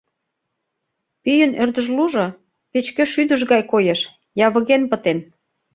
Пийын ӧрдыжлужо печке шӱдыш гай коеш, явыген пытен.